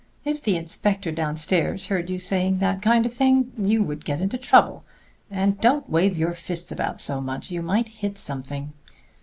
If the inspector downstairs heard you saying that kind of thing, you would get into trouble. And don't wave your fists about so much; you might hit something.